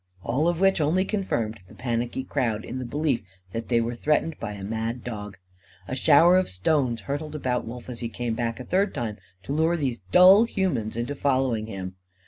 All of which only confirmed the panicky crowd in the belief that they were threatened by a mad dog. A shower of stones hurtled about Wolf as he came back a third time to lure these dull humans into following him.